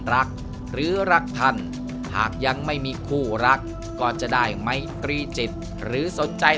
รักหรือรักท่านหากยังไม่มีคู่รักก็จะได้ไม่ตรีจิตหรือสนใจ